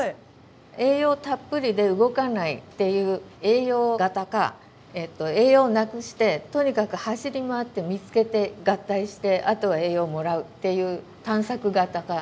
栄養たっぷりで動かないっていう栄養型か栄養をなくしてとにかく走り回って見つけて合体してあとは栄養をもらうっていう探索型かどっちかに分かれた。